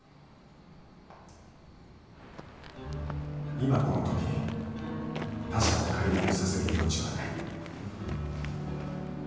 ［今このとき他者を介入させる余地はない］